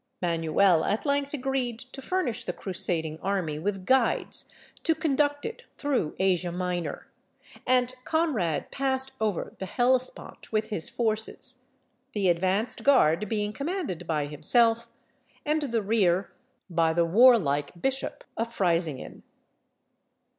Manuel at length agreed to furnish the crusading army with guides to conduct it through Asia Minor; and Conrad passed over the Hellespont with his forces, the advanced guard being commanded by himself, and the rear by the warlike Bishop of Freysinghen.